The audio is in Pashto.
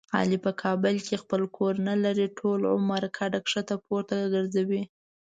علي په کابل کې خپل کور نه لري. ټول عمر کډه ښکته پورته ګرځوي.